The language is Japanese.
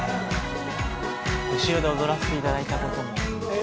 後ろで踊らせていただいたことも。